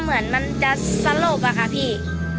เหมือนมันจะสลบอะค่ะพี่